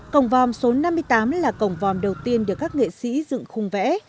cổng vòm số năm mươi tám là cổng vòm đầu tiên được các nghệ sĩ dựng khung vẽ